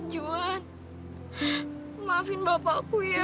juhan maafin bapakku ya